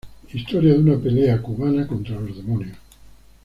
Historia de una pelea cubana contra los demonios